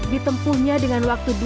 di tempuhnya di jepang